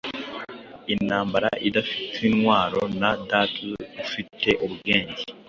Intambara idafite intwarona Data ufite ubwenge-